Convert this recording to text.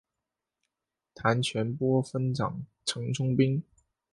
谭全播分掌城中兵。